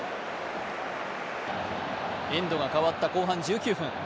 エンドが変わった後半１９分。